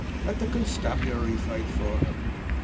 "Let the constabulary foight for her."